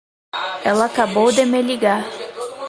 Ela acabou de me ligar.